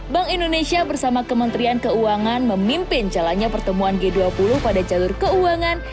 bank indonesia bersama kementerian keuangan memimpin jalannya pertemuan g dua puluh pada jalur keuangan